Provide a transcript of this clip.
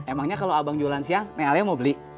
emangnya kalau abang jualan siang neng alia mau beli